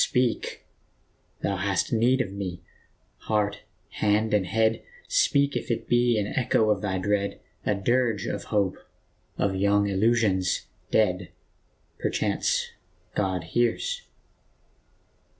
Speak ! thou hast need of me, heart, hand and head, Speak, if it be an echo of thy dread, A dirge of hope, of young illusions dead Perchance God hears